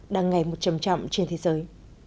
đang ngày một trầm trọng trên thế giới